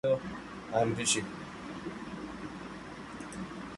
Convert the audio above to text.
A tank cross-flow valve is installed to prevent fuel transfer between wing tanks.